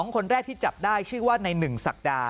คนแรกที่จับได้ชื่อว่าใน๑ศักดา